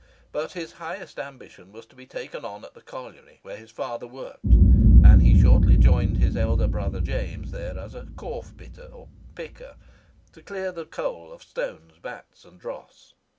But his highest ambition was to be taken on at the colliery where his father worked; and he shortly joined his elder brother James there as a "corf bitter," or "picker," to clear the coal of stones, bats, and dross.